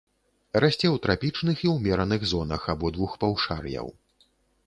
Расце ў трапічных і ўмераных зонах абодвух паўшар'яў.